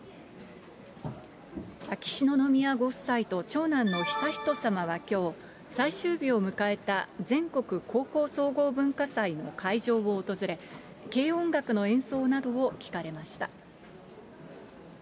秋篠宮ご夫妻と長男の悠仁さまはきょう、最終日を迎えた、全国高校総合文化祭の会場を訪れ、軽音楽の演奏などを聞かれました。